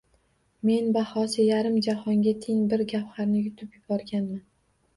Men bahosi yarim jahonga teng bir gavharni yutib yuborganman.